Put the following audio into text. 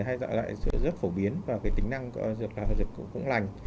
thì hai loại rất phổ biến và cái tính năng dược cũng lành